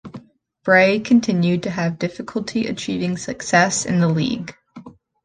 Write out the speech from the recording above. Bray continued to have difficulty achieving success in the league.